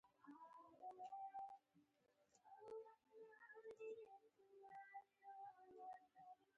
دا بریالیتوب محدود و.